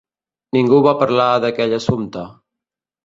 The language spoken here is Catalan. Ningú va parlar d'aquell assumpte.